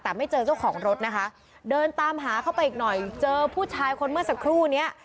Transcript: แต่ไม่เจอเจ้าของรถนะคะเดินตามหาเข้าไปอีกหน่อยเจอผู้ชายคนเมื่อสักครู่เนี้ย